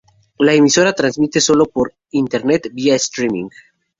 La Emisora transmite solo por internet via streaming.